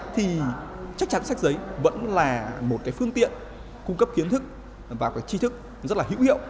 thì chắc chắn sách giấy vẫn là một cái phương tiện cung cấp kiến thức và cái chi thức rất là hữu hiệu